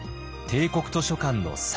帝国図書館の３倍。